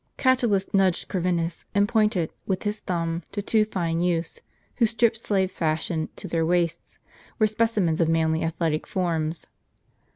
Catulus nudged Corvinus, and pointed, with bis thumb, to two fine youths, who, stripped slave fashion to their waists, were specimens of manly athletic forms.